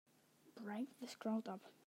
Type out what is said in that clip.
Break this crowd up!